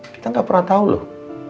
kita nggak pernah tahu loh